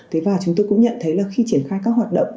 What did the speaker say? thế và chúng tôi cũng nhận thấy là khi triển khai các hoạt động